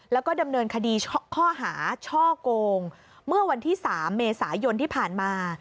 แล้วก็ดำเนินคดีข้อหาช่อกงเมื่อวันที่๓เมษายนที่ผ่านมา